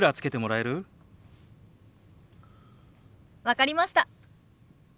分かりました。